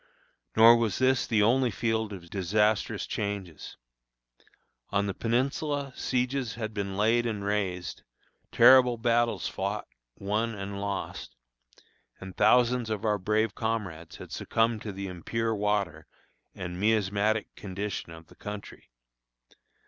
Nor was this the only field of disastrous changes. On the Peninsula sieges had been laid and raised, terrible battles fought, won, and lost, and thousands of our brave comrades had succumbed to the impure water and miasmatic condition of the country.